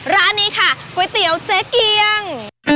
ร้านนี้ค่ะก๋วยเตี๋ยวเจ๊เกียง